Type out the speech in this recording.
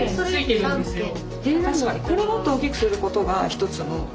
これもっと大きくすることが一つの。